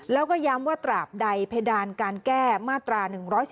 แล้วก็ย้ำว่าตราบใดเพดานการแก้มาตรา๑๔